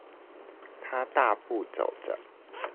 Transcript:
他大步走著